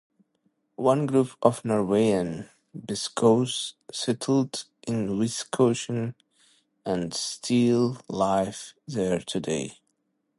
One group of Norwegian Beskows settled in Wisconsin and still live there today.